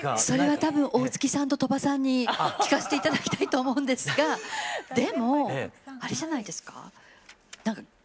それは多分大月さんと鳥羽さんに聞かせて頂きたいと思うんですがでもあれじゃないですか？